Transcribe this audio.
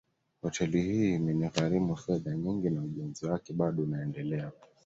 Hoteli hii imenigharimu fedha nyingi na ujenzi wake bado unaendelea